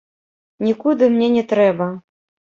Нікуды мне не трэба.